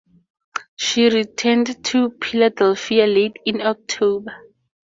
She returned to Philadelphia late in October.